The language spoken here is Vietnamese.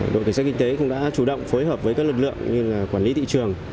đội cảnh sát kinh tế cũng đã chủ động phối hợp với các lực lượng như quản lý thị trường